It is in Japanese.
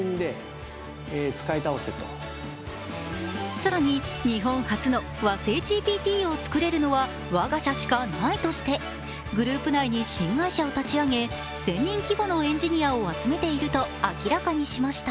更に日本初の和製ＧＰＴを作れるのは我が社しかないとして、グループ内に新会社を立ち上げ、１０００人規模のエンジニアを集めていると明らかにしました。